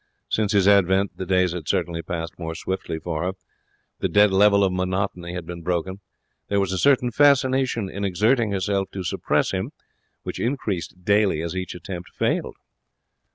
Since his advent the days had certainly passed more swiftly for her. The dead level of monotony had been broken. There was a certain fascination in exerting herself to suppress him, which increased daily as each attempt failed.